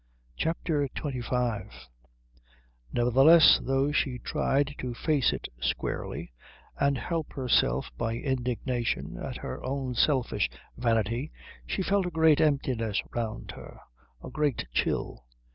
CHAPTER XXV Nevertheless, though she tried to face it squarely and help herself by indignation at her own selfish vanity, she felt a great emptiness round her, a great chill.